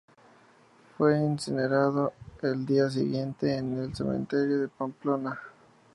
Fue incinerado al día siguiente en el cementerio de Pamplona.